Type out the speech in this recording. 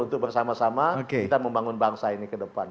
untuk bersama sama kita membangun bangsa ini ke depan